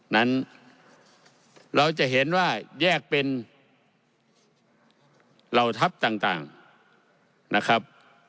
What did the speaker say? นั้นเราจะเห็นว่าแยกเป็นเหล่าทัพต่างนะครับ